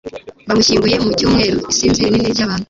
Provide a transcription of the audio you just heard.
bamushyinguye mu cyumweru. isinzi rinini ry'abantu